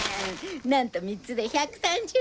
なんと３つで１３０円！